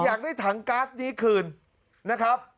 อยากได้ถังก๊าซนี้คืนนะครับ